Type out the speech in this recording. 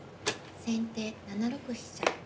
先手７六飛車。